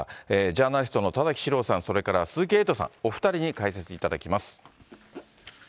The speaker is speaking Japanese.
ジャーナリストの田崎史郎さん、それから鈴木エイトさん、お２人に解説いただきます。